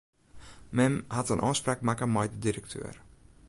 Mem hat in ôfspraak makke mei de direkteur.